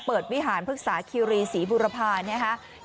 เปิดวิหารภึกษาคิวรีศรีบุรพานะครับ